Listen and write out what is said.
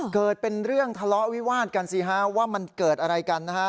เกิดเป็นเรื่องทะเลาะวิวาดกันสิฮะว่ามันเกิดอะไรกันนะฮะ